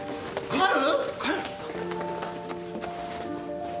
帰る！？